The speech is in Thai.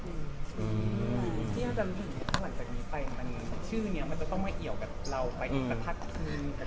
อืมพี่อาจารย์ถึงหลังจากนี้ไปชื่อนี้มันจะต้องมาเอียวกับเราไปอีกกระทักที